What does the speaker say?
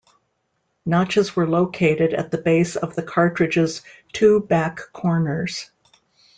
Notches were located at the base of the cartridge's two back corners.